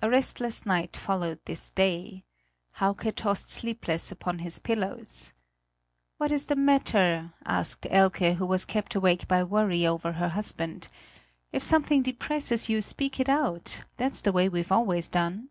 A restless night followed this day. Hauke tossed sleepless upon his pillows. "What is the matter?" asked Elke who was kept awake by worry over her husband; "if something depresses you, speak it out; that's the way we've always done."